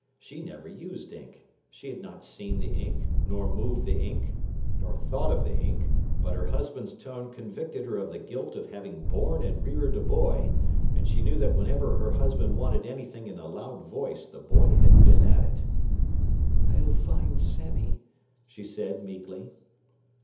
She never used ink. She had not seen the ink, nor moved the ink, nor thought of the ink, but her husband's tone convicted her of the guilt of having borne and reared a boy, and she knew that whenever her husband wanted anything in a loud voice the boy had been at it. “I'll find Sammy,” she said meekly.